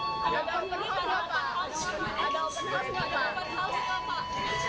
tidak ada tidak ada rencana rencana